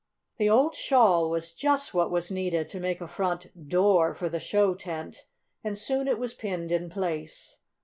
The old shawl was just what was needed to make a front "door" for the show tent, and soon it was pinned in place.